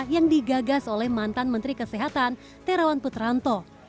yang digagas oleh mantan menteri kesehatan terawan putranto